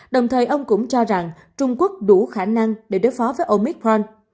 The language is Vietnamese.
đồng thời ông cũng cho rằng trung quốc đủ khả năng để đối phó với ôngicron